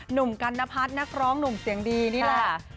หนุ่มกัณพัฒน์นักร้องหนุ่มเสียงดีนี่แหละ